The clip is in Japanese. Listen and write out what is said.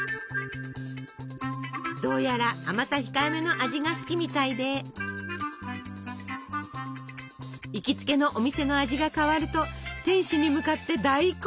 どうやら甘さ控えめの味が好きみたいで行きつけのお店の味が変わると店主に向かって大抗議！